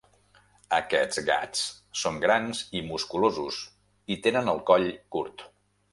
Aquests gats són grans i musculosos i tenen el coll curt.